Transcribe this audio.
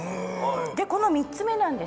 でこの３つ目なんですが。